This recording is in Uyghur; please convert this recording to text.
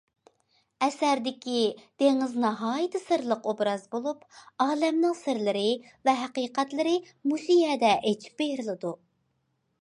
ئەسەردىكى دېڭىز ناھايىتى سىرلىق ئوبراز بولۇپ، ئالەمنىڭ سىرلىرى ۋە ھەقىقەتلىرى مۇشۇ يەردە ئېچىپ بېرىلىدۇ.